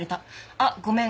「あっごめん。